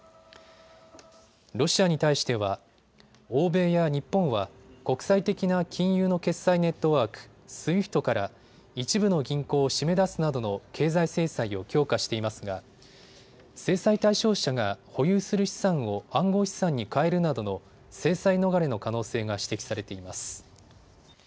ロシアに対しては欧米や日本は国際的な金融の決済ネットワーク、ＳＷＩＦＴから一部の銀行を締め出すなどの経済制裁を強化していますが制裁対象者が保有する資産を暗号資産に換えるなどの制裁逃れの可能性が指摘されています。